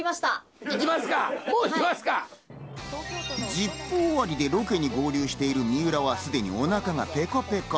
『ＺＩＰ！』終わりで、ロケに合流している水卜はすでにお腹はペコペコ。